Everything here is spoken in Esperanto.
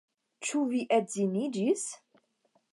Ĉu vi edziniĝis?